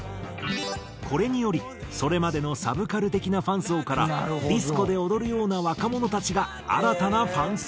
これによりそれまでのサブカル的なファン層からディスコで踊るような若者たちが新たなファン層に。